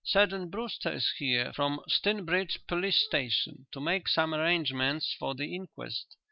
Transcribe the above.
"Sergeant Brewster is here from Stinbridge police station to make some arrangements for the inquest.